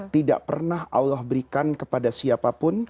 tidak pernah allah berikan kepada siapa siapa